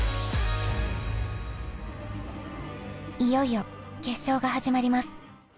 いよいよ決勝が始まります。